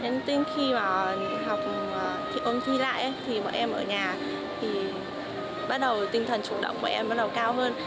nên khi mà học thi ôn thi lại thì mẹ em ở nhà thì bắt đầu tinh thần chủ động mẹ em bắt đầu cao hơn